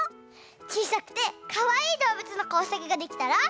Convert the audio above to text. ちいさくてかわいいどうぶつのこうさくができたら。